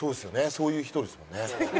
そういう人ですもんね。